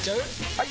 ・はい！